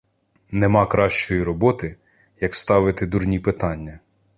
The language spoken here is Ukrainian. — Нема кращої роботи, як ставити дурні питання.